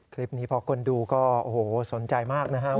คลิปนี้พอกลดูก็สนใจมากนะครับ